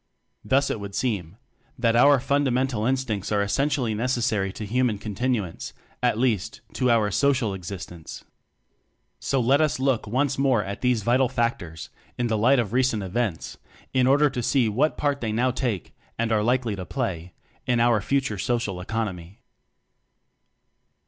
Thus it would seem that our fundamental instincts are essentially necessary to human continuance at least, to our social existence. So let us look once more at these vital factors, in the light of recent events, in order to see what part they now take and are likely to play in our future social economy.